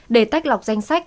để tách lọc danh sách